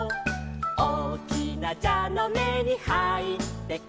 「おおきなじゃのめにはいってく」